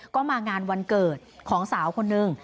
ก็มางานวันเกิดของสาวคนนึง